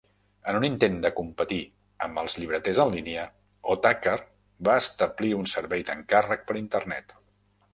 En un intent de competir amb els llibreters en línia, Ottakar va establir un servei d'encàrrec per Internet.